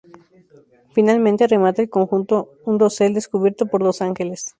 Finalmente, remata el conjunto un dosel descubierto por dos ángeles.